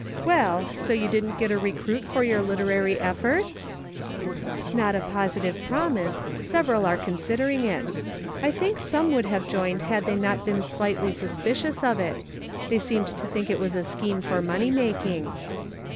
Well, so you didn't get a recruit for your literary effort }"" Not a positive promise ; several are consider ing it. I think some would have joined had they not been slightly suspicious of it ; they seemed to think it was a scheme for money making."